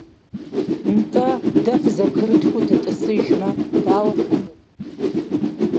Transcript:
НтӀэ, дэ фызэбгрытхыу дытӀысыжмэ, дауэ хъуну?